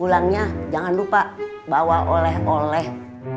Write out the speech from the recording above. tulangnya jangan lupa bawa oleh oleh